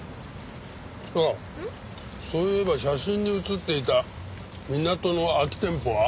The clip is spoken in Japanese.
あっそういえば写真に写っていた港の空き店舗は？